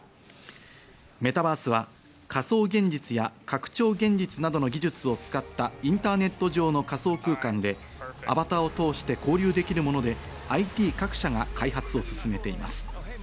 メタバースは仮想現実や拡張現実などの技術を使ったインターネット上の仮想空間でアバターを通して交流できるもので、ＩＴ各社が開発を進めています。